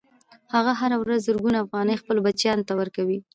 هغه هره ورځ زرګونه افغانۍ خپلو بچیانو ته ورکوي